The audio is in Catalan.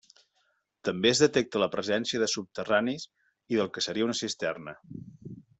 També es detecta la presència de subterranis i del que seria una cisterna.